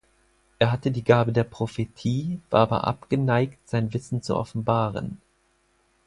Er hatte die Gabe der Prophetie, war aber abgeneigt, sein Wissen zu offenbaren.